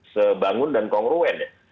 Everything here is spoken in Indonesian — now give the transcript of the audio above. sebangun dan kongruen ya